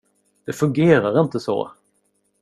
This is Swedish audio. Det fungerar inte så!